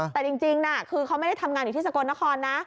แต่จริงนะคือเขาไม่ได้ทำงานอยู่ที่สกลนครนะ